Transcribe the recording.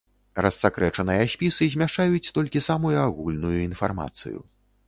Рассакрэчаныя спісы змяшчаюць толькі самую агульную інфармацыю.